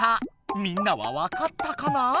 みんなはわかったかな？